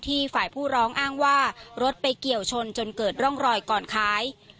ฝ่ายผู้ร้องอ้างว่ารถไปเกี่ยวชนจนเกิดร่องรอยก่อนขาย